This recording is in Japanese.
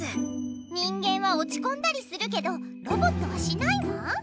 人間はおちこんだりするけどロボットはしないわ。